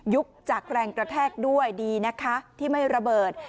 จากแรงกระแทกด้วยดีนะคะที่ไม่ระเบิด